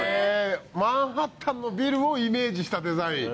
マンハッタンのビルをイメージしたデザイン。